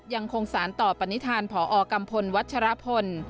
ยังคงสารต่อปณิธานพอกัมพลวัชรพล